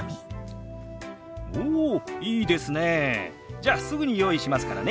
じゃすぐに用意しますからね。